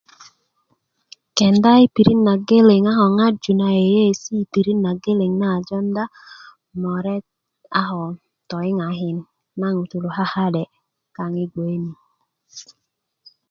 kenda yi pirit nageleŋ a ko ŋarju na yeyeesi' yi pirit nageleŋ an a jowunda moret ako toyiŋakin na ŋutuu kaaka'de kaaŋ yi gboke ni